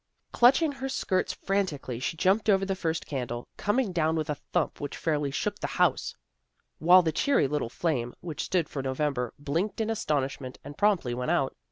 Clutching her skirts frantically, she jumped over the first candle, coming down with a thump which fairly shook the house, while the cheery little flame which stood for November blinked in astonish ment and promptly went out.